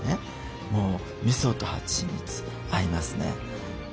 もうみそとはちみつ合いますね。